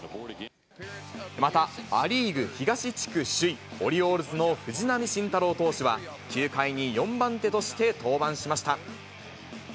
また、ア・リーグ東地区首位、オリオールズの藤浪晋太郎投手は、９回に４番手として登板しました。